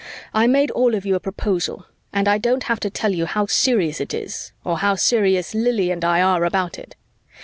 I made all of you a proposal and I don't have to tell you how serious it is or how serious Lili and I are about it.